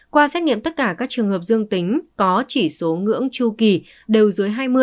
qua xét nghiệm tất cả các trường hợp dương tính có chỉ số ngưỡng chu kỳ đều dưới hai mươi